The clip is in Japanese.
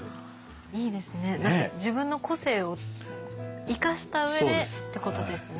何か自分の個性を生かした上でってことですね。